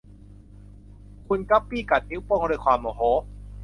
คุณกัปปี้กัดนิ้วโป้งด้วยความโมโห